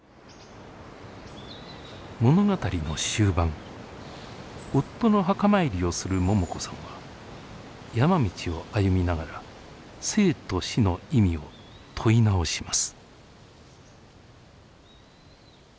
物語の終盤夫の墓参りをする桃子さんは山道を歩みながら生と死の意味を問い直します。